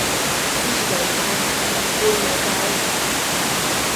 Ishkay chachakuna puriykaayan.